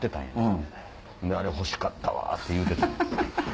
んで「あれ欲しかったわ」って言うててん。